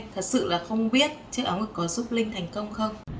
thật sự là không biết chiếc áo mà có giúp linh thành công không